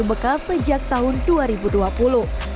dia memiliki kemampuan yang bekas sejak tahun dua ribu dua puluh